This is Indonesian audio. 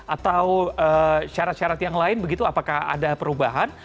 atau syarat syarat yang lain begitu apakah ada perubahan